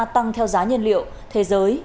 tăng theo giá nhân liệu thế giới